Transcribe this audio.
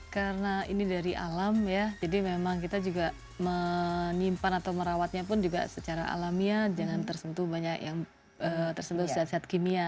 karena ini dari alam ya jadi memang kita juga menyimpan atau merawatnya pun juga secara alami ya jangan tersentuh banyak yang tersentuh sesat sesat kimia